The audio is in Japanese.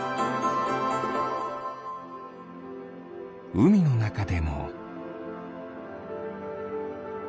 うみのなかでも。